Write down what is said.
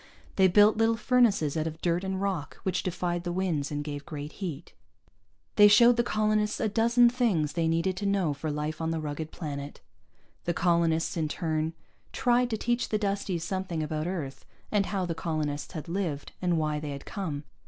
They built little furnaces out of dirt and rock which defied the winds and gave great heat. They showed the colonists a dozen things they needed to know for life on the rugged planet. The colonists in turn tried to teach the Dusties something about Earth, and how the colonists had lived, and why they had come.